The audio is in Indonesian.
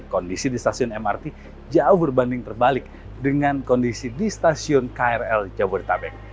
kondisi di stasiun mrt jauh berbanding terbalik dengan kondisi di stasiun krl jabodetabek